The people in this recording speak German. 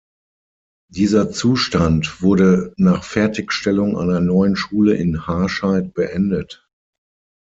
Dieser Zustand wurde nach Fertigstellung einer neuen Schule in Harscheid beendet.